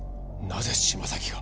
なぜ島崎が。